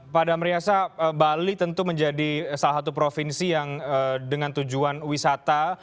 pak damriasa bali tentu menjadi salah satu provinsi yang dengan tujuan wisata